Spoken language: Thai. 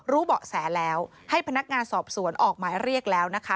เบาะแสแล้วให้พนักงานสอบสวนออกหมายเรียกแล้วนะคะ